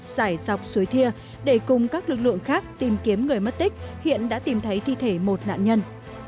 giải dọc suối thia để cùng các lực lượng khác tìm kiếm người mất tích hiện đã tìm thấy thi thể một nạn nhân